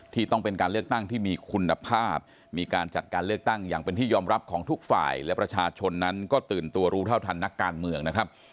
ที่ต้องเป็นการเลือกตั้งที่มีคุณภาพมีการจัดการเลือกตั้งอย่างเป็นที่ยอมรับของทุกฝ่ายและประชาชนนั้นก็ตื่นตัวรู้เท่าทันนักการเมืองนะครับ